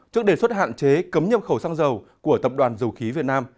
trước đề xuất hạn chế cấm nhập khẩu xăng dầu của tập đoàn dầu khí việt nam